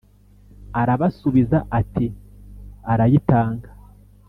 Arabasubiza ati “Arayitanga.”